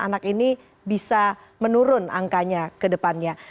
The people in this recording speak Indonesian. anak ini bisa menurun angkanya ke depannya